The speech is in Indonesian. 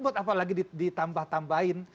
buat apalagi ditambah tambahin